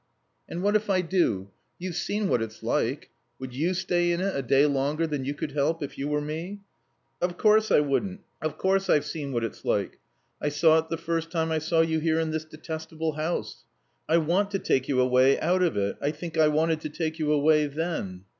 "And what if I do? You've seen what it's like. Would you stay in it a day longer than you could help if you were me?" "Of course I wouldn't. Of course I've seen what it's like. I saw it the first time I saw you here in this detestable house. I want to take you away out of it. I think I wanted to take you away then."